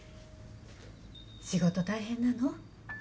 仕事大変なの？